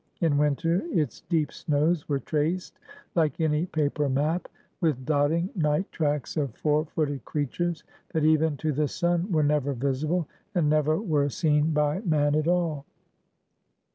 In winter its deep snows were traced like any paper map, with dotting night tracks of four footed creatures, that, even to the sun, were never visible, and never were seen by man at all.